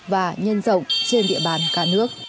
và nhân rộng trên địa bàn cả nước